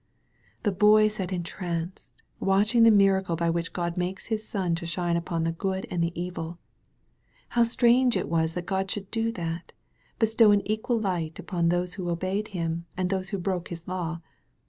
The Boy sat entranced, watching the miracle by which Grod makes His sun to shine upon the good and the evil. How strange it was that God should do that — ^bestow an equal light upon those who ob^ed Him and those who broke His law!